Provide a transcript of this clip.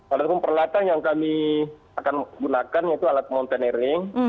ada tukung perlata yang kami akan gunakan yaitu alat mountaineering